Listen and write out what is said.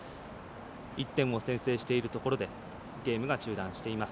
１点を先制しているところでゲームが中断しています。